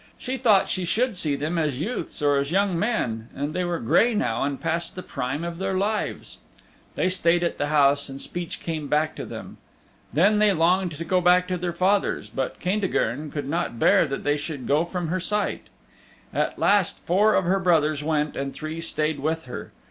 She thought she should see them as youths or as young men, and they were gray now and past the prime of their lives. They stayed at the house and speech came back to them. Then they longed to go back to their father's, but Caintigern could not bear that they should go from her sight. At last four of her brothers went and three stayed with her.